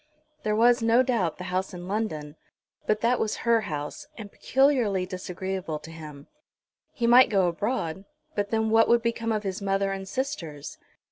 There was, no doubt, the house in London, but that was her house, and peculiarly disagreeable to him. He might go abroad; but then what would become of his mother and sisters?